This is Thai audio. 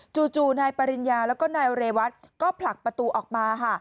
จู่นายปริญญาแล้วก็นายเรวัตก็ผลักประตูออกมาค่ะ